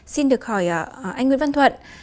xin được hỏi anh nguyễn văn thuận